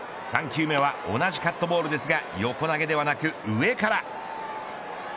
３球目は同じカットボールですが横投げではなく上から。